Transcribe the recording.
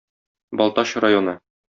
Балтач районы.